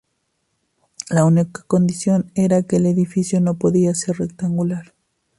La única condición era que el edificio no podía ser rectangular.